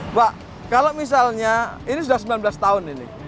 mbak kalau misalnya ini sudah sembilan belas tahun ini